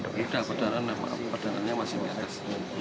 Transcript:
tidak pendaraannya masih di atas